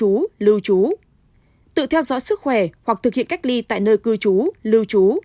cư chú lưu chú tự theo dõi sức khỏe hoặc thực hiện cách ly tại nơi cư chú lưu chú